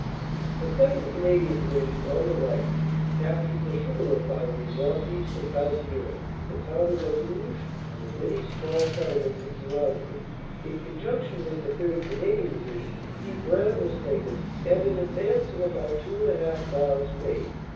"The 2nd. Canadian Division, on the right, captured the sugar refinery northeast of Baisieux, the town of Elouges, and the many small settlements that surrounded it. In conjunction with the 3rd. Canadian Division Quievrain was taken, and an advance of about two and a half miles made.